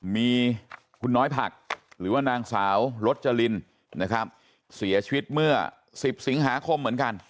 มีคุณน้อยผักหรือว่านางสาวรจรินนะครับเสียชีวิตเมื่อ๑๐สิงหาคมเหมือนกัน